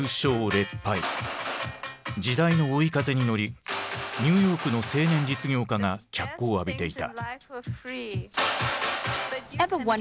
劣敗時代の追い風に乗りニューヨークの青年実業家が脚光を浴びていた。